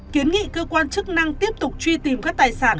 kiến nghị cơ quan chức năng tiếp tục truy tìm các tài sản